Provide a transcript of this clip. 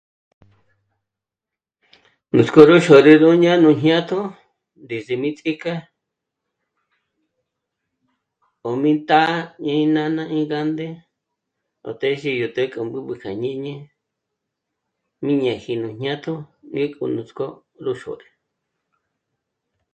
Nuts'k'ó ró xôrü nú ná'a nú jñátjo desde nǐts'ik'a 'ó mí tá'a, mí nána, mí gánde ó téxi yó të́'ë kja bǚ'bü kja ñíni ní ´ñéji nú jñátjo 'é k'o nuts'k'ó gú xôrü